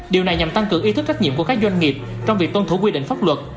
điều này nhằm tăng cường ý thức trách nhiệm của các doanh nghiệp trong việc tuân thủ quy định pháp luật